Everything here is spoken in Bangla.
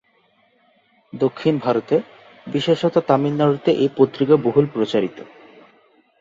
দক্ষিণ ভারতে, বিশেষত তামিলনাড়ুতে এই পত্রিকা বহুল প্রচারিত।